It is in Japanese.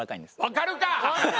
分かるか！